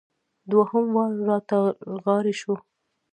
دوهم وار را تر غاړې شو.